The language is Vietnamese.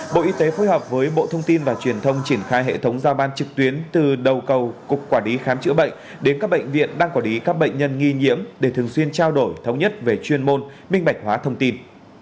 bộ y tế phối hợp với bộ thông tin và truyền thông triển khai hệ thống giao ban trực tuyến từ đầu cầu cục quản lý khám chữa bệnh đến các bệnh viện đang quản lý các bệnh nhân nghi nhiễm để thường xuyên trao đổi thống nhất về chuyên môn minh bạch hóa thông tin